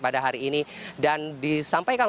pada hari ini dan disampaikan